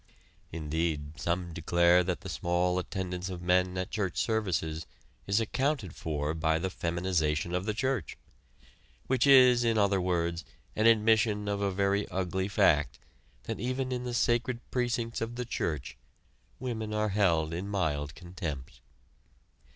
Indeed some declare that the small attendance of men at church services is accounted for by the "feminization of the church," which is, in other words, an admission of a very ugly fact that even in the sacred precincts of the church, women are held in mild contempt.